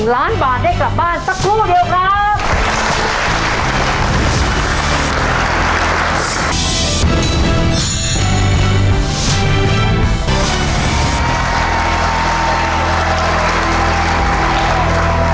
ล้านบาทได้กลับบ้านสักครู่เดียวครับ